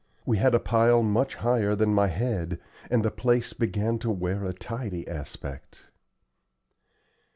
we had a pile much higher than my head, and the place began to wear a tidy aspect.